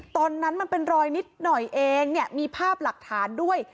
ตอนนั้นมันเป็นรอยนิดหน่อยเองเนี่ยมีภาพหลักฐานด้วย